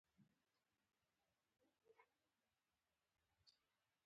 پېرون څلور نوي قاضیان وټاکل.